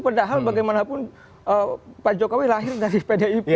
padahal bagaimanapun pak jokowi lahir dari pdip